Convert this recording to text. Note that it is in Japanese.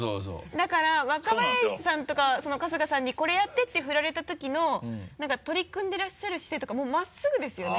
だから若林さんとか春日さんにこれやってって振られたときの取り組んでらっしゃる姿勢とかもう真っすぐですよね。